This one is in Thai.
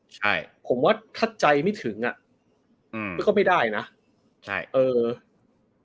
ใช่ผมว่าถ้าใจไม่ถึงอ่ะอืมมันก็ไม่ได้นะใช่เออเออ